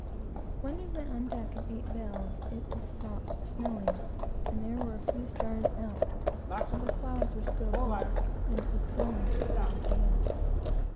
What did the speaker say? When we went on deck at eight bells, it had stopped snowing, and there were a few stars out, but the clouds were still black, and it was blowing a steady gale.